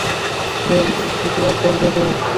শুধু একবার দেখাও!